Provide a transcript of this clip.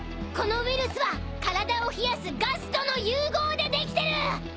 このウイルスは体を冷やすガスとの融合でできてる！